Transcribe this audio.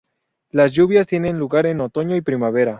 Las lluvias tienen lugar en otoño y primavera.